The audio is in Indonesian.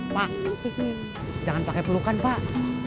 pak jangan pakai pelukan pak